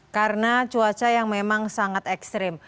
karena cuaca yang memang sangat ekstrim